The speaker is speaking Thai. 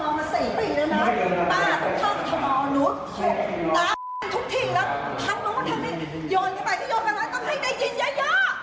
หันตรงหน้าปากซอยช่วงชัย๔๕